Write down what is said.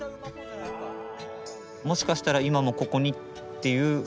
もしかしたら今もここにっていう。